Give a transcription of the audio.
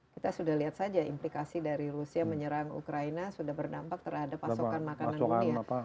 kita sudah lihat saja implikasi dari rusia menyerang ukraina sudah berdampak terhadap pasokan makanan dunia